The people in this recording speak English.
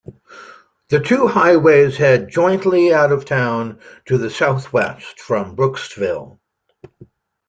The two highways head jointly out of town to the southwest from Brooksville.